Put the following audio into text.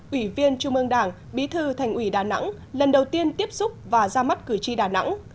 ủy viên trung ương đảng bí thư thành ủy đà nẵng lần đầu tiên tiếp xúc và ra mắt cử tri đà nẵng